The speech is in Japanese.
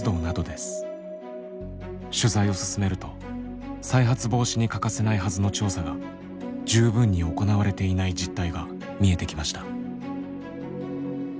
取材を進めると再発防止に欠かせないはずの調査が十分に行われていない実態が見えてきました。